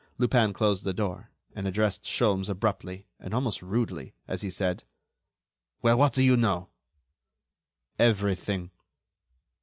Lupin closed the door and addressed Sholmes abruptly, and almost rudely, as he said: "Well, what do you know?" "Everything."